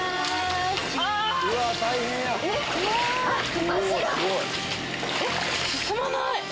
進まない！